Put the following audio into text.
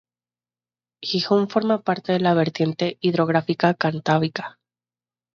Gijón forma parte de la vertiente hidrográfica cantábrica.